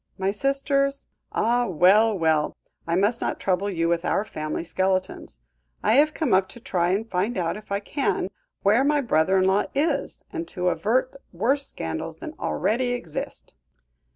My sisters Ah! well, well, I must not trouble you with our family skeletons. I have come up to try and find out if I can where my brother in law is, and to avert worse scandals than already exist."